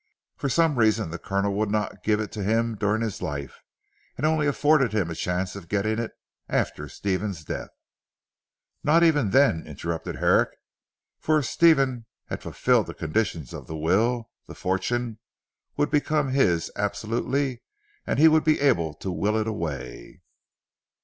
For some reason the Colonel would not give it to him during his life, and only afforded him a chance of getting it after Stephen's death " "Not even then," interrupted Herrick "for if Stephen had fulfilled the conditions of the will, the fortune would become his absolutely and he would be able to will it away."